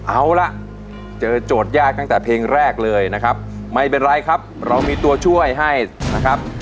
เอาล่ะเจอโจทย์ยากตั้งแต่เพลงแรกเลยนะครับไม่เป็นไรครับเรามีตัวช่วยให้นะครับ